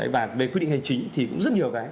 và về quy định hành chính thì cũng rất nhiều cái